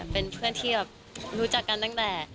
เป็นเพื่อนที่แบบรู้จักกันตั้งแต่